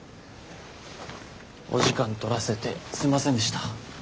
お時間取らせてすんませんでした。